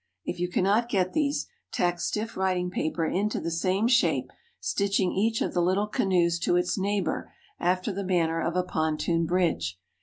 If you cannot get these, tack stiff writing paper into the same shape, stitching each of the little canoes to its neighbor after the manner of a pontoon bridge.